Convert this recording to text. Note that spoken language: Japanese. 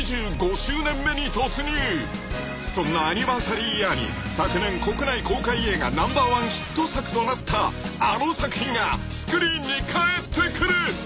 ［そんなアニバーサリーイヤーに昨年国内公開映画Ｎｏ．１ヒット作となったあの作品がスクリーンに帰ってくる！］